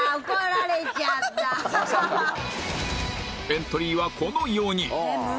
エントリーはこの４人